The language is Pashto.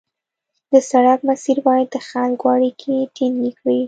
د سړک مسیر باید د خلکو اړیکې ټینګې کړي